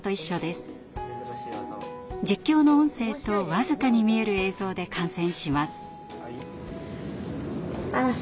実況の音声と僅かに見える映像で観戦します。